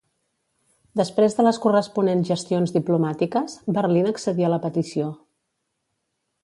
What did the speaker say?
Després de les corresponents gestions diplomàtiques, Berlín accedí a la petició.